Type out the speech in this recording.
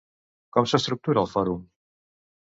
Com s'estructura el fòrum?